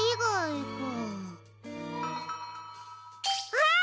あっ！